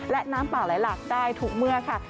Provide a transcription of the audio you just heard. และน้ำป่าไหลหลากได้ทุกเมื่อค่ะ